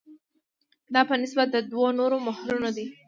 دا په نسبت د دوو نورو محورونو ده.